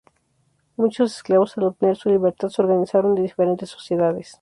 Muchos esclavos al obtener su libertad se organizaron en diferentes sociedades.